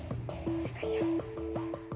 お願いします